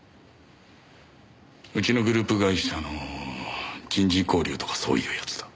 うちのグループ会社の人事交流とかそういうやつだ。